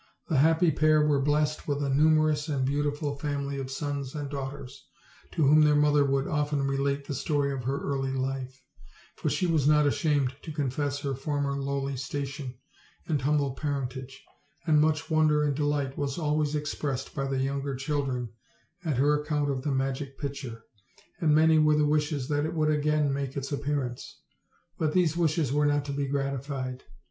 The happy pair were blessed with a numerous and beautiful family of sons and daughters, to whom their mother would often relate the story of her early life; for she was not ashamed to confess her former lowly station and humble parentage; and much wonder and delight was always expressed by the younger children at her ac count of the magic pitcher, and many were the wishes that it would again make its appearance; but these wishes were not to be gratified.